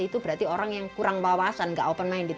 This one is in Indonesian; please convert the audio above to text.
itu berarti orang yang kurang wawasan nggak open minded